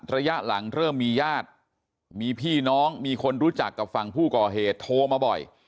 ระยะหลังเริ่มมีญาติมีพี่น้องมีคนรู้จักกับฝั่งผู้ก่อเหตุโทรมาบ่อย